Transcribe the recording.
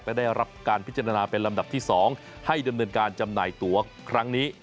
ก็ได้รับการพิจารณาเป็นลำดับที่๒ให้ดำเนินการจำหน่ายตัวครั้งนี้